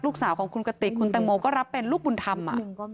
ลูกสาวของคุณกติกคุณแตงโมก็รับเป็นลูกบุญธรรม